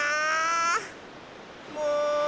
もう。